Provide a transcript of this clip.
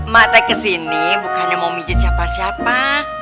mak teh ke sini bukannya mau mijit siapa siapa